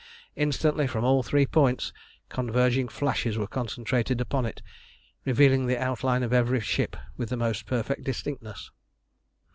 Instantly from all three points converging flashes were concentrated upon it, revealing the outline of every ship with the most perfect distinctness.